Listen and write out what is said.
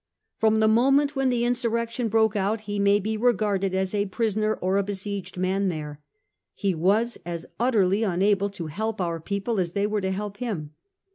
From the moment when the in surrection broke out he may be regarded as a prisoner or a besieged man there. He was as utterly unable to help our people as they were to help him.